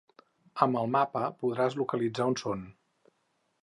Amb el mapa, podràs localitzar on són.